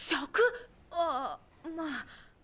あぁまぁ。